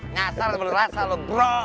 ngasar berasa lu bro